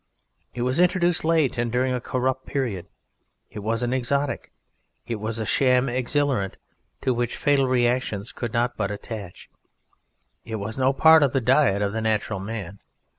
It was introduced late and during a corrupt period. It was an exotic. It was a sham exhilarant to which fatal reactions could not but attach. It was no part of the Diet of the Natural Man.